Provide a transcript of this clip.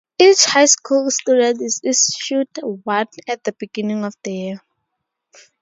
Each high school student is issued one at the beginning of the year.